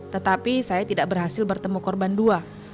tetapi saya tidak berhasil bertemu korban dua